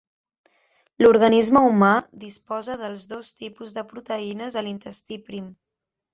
L'organisme humà disposa dels dos tipus de proteïnes a l'intestí prim.